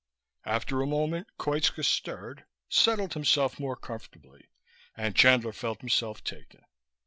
After a moment Koitska stirred, settled himself more comfortably, and Chandler felt himself taken.